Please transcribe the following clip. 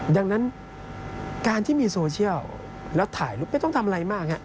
ดังนั้นการที่มีโซเชียลแล้วถ่ายรูปไม่ต้องทำอะไรมาก